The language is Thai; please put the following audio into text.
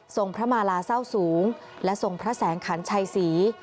พระมาลาเศร้าสูงและทรงพระแสงขันชัยศรี